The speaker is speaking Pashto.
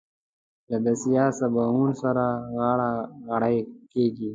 له بسيا سباوون سره غاړه غړۍ کېږي.